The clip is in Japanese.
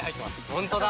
ホントだ！